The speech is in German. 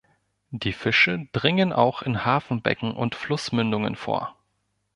Die Fische dringen auch in Hafenbecken und Flussmündungen vor.